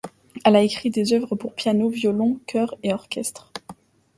Elle a écrit des œuvres pour piano, violon, chœur et orchestre.